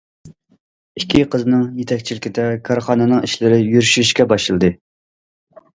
ئىككى قىزنىڭ يېتەكچىلىكىدە كارخانىنىڭ ئىشلىرى يۈرۈشۈشكە باشلىدى.